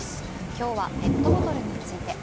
今日はペットボトルについて。